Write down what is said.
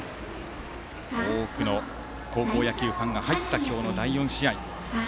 多くの高校野球ファンが入った今日の第４試合。